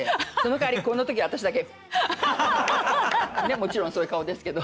もちろんそういう顔ですけど。